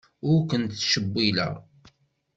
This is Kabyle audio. Ur ken-ttcewwileɣ.